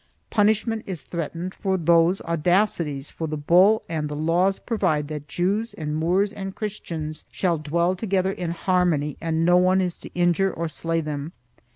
Punishment is threatened for these audacities, for the , bull and the laws provide that Jews and Moors and Christians shall dwell together in harmony and no one is to injure or slay them.